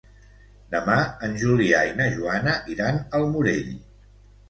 Demà en Julià i na Joana iran al Morell.